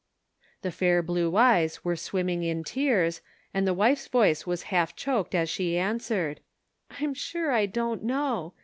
The fair blue eyes were swimming in tears, and the wife's voice was half choked as she answered ;" I'm sure I don't know.